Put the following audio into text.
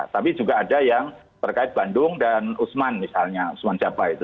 tapi juga ada yang terkait bandung dan usman misalnya usman jabal itu